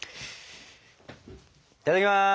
いただきます！